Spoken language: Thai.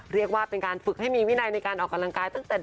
เรียกว่าเป็นการฝึกให้มีวินัยในการออกกำลังกายตั้งแต่